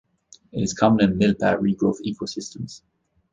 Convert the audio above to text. It is common in milpa regrowth ecosystems.